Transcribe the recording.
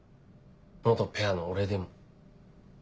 元ペアの俺でも。